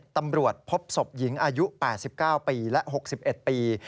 ตำรวจพบศพหญิงอายุ๘๙ปีและ๖๑ปี